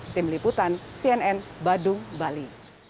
tim liputan cnn badung bali